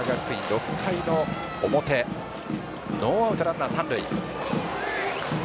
６回の表ノーアウト、ランナー、三塁。